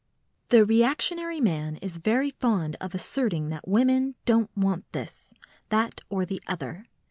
The reactionary man is very fond of asserting that women don't want this, that or the other.